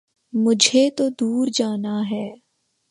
مجھے تو دور جانا ہے